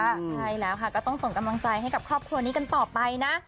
ใช่แล้วค่ะก็ต้องส่งกำลังใจให้กับครอบครัวนี้กันต่อไปนะ